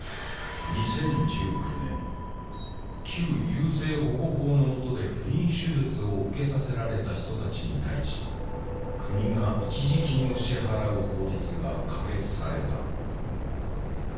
旧優生保護法の下で不妊手術を受けさせられた人たちに対し国が一時金を支払う法律が可決された。